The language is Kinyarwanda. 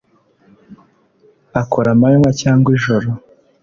akora amanywa cyangwa ijoro .